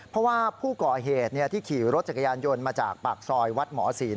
เพราะว่าผู้ก่อเหตุที่ขี่รถจักรยานยนต์มาจากปากซอยวัดหมอศีล